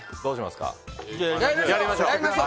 やりましょう！